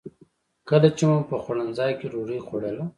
کله چې مو په خوړنځای کې ډوډۍ خوړله.